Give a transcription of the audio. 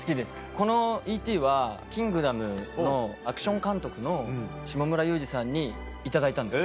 このＥ．Ｔ．は『キングダム』のアクション監督の下村勇二さんに頂いたんです。